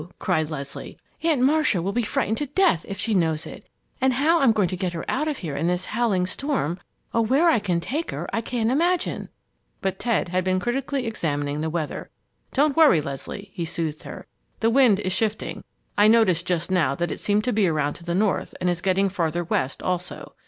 cried Leslie. "Aunt Marcia will be frightened to death if she knows it, and how I'm to get her out of here in this howling storm, or where I can take her, I can't imagine!" But Ted had been critically examining the weather. "Don't worry, Leslie!" he soothed her. "The wind is shifting. I noticed just now that it seemed to be around to the north and is getting farther west also.